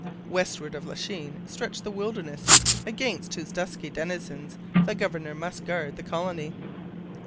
Westward of Lachine stretched the wilderness, against whose dusky denizens the governor must guard the colony.